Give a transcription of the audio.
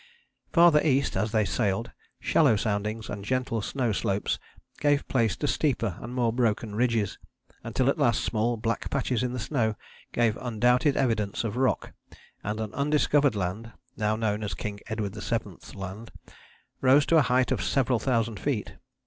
Farther east, as they sailed, shallow soundings and gentle snow slopes gave place to steeper and more broken ridges, until at last small black patches in the snow gave undoubted evidence of rock; and an undiscovered land, now known as King Edward VII.'s Land, rose to a height of several thousand feet.